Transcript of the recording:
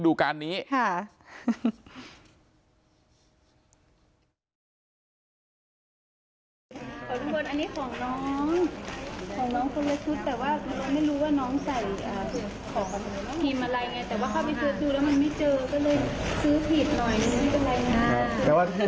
ขอบคุณพลอันนี้ของน้องของน้องก็เลยสุดแต่ว่าไม่รู้ว่าน้องใส่ของทีมอะไรไงแต่ว่าเข้าไปซื้อซื้อแล้วมันไม่เจอก็เลยซื้อผิดหน่อยนี่เป็นไรไง